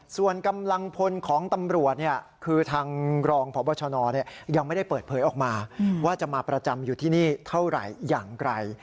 ส่วนกำลังพลของตำรวจคือทางรองพบชนยังไม่ได้เปิดเผยออกมาว่าจะมาประจำอยู่ที่นี่เท่าไหร่อย่างไกล